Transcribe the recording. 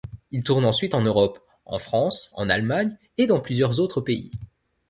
Ils tournent ensuite en Europe en France, en Allemagne et dans plusieurs autres pays.